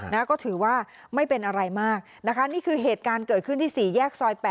นะก็ถือว่าไม่เป็นอะไรมากนะคะนี่คือเหตุการณ์เกิดขึ้นที่๔แยกซอย๘